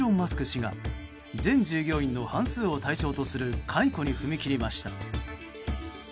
氏が全従業員の半数を対象とする解雇に踏み切りました。